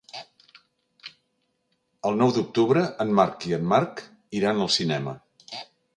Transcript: El nou d'octubre en Marc i en Marc iran al cinema.